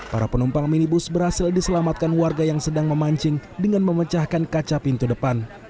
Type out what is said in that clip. para penumpang minibus berhasil diselamatkan warga yang sedang memancing dengan memecahkan kaca pintu depan